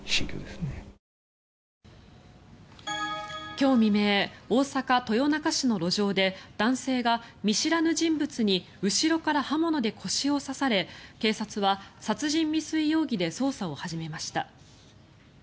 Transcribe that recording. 今日未明大阪・豊中市の路上で男性が見知らぬ人物に後ろから刃物で腰を刺され警察は殺人未遂容疑で捜査を始めました。